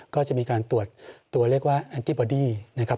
ก็จะมีการตรวจตัวเลขว่าแอนตี้บอดี้นะครับ